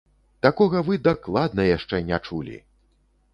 Такога вы дакладна яшчэ не чулі!